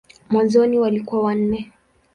Mwanzoni walikuwa wanne.